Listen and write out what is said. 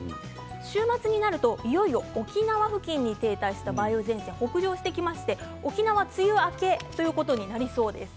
週末になると、いよいよ沖縄付近に停滞した梅雨前線北上して沖縄梅雨明けということになりそうです。